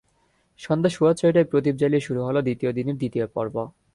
সন্ধ্যা সোয়া ছয়টায় প্রদীপ জ্বালিয়ে শুরু হলো দ্বিতীয় দিনের দ্বিতীয় পর্ব।